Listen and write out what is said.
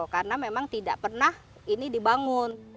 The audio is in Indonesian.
karena memang tidak pernah ini dibangun